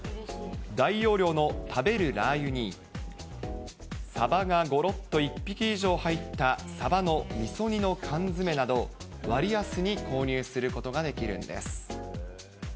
大容量の食べるラー油に、サバがごろっと１匹以上入ったサバのみそ煮の缶詰など割安に購入することができるんです。